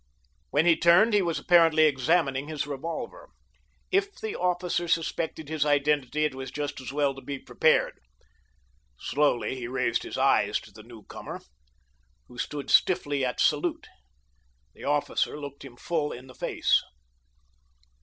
When he turned he was apparently examining his revolver. If the officer suspected his identity, it was just as well to be prepared. Slowly he raised his eyes to the newcomer, who stood stiffly at salute. The officer looked him full in the face.